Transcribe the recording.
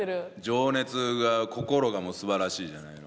情熱が心がすばらしいじゃないの。